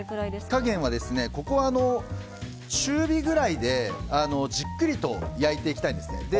火加減は、ここは中火くらいでじっくりと焼いていきたいんです。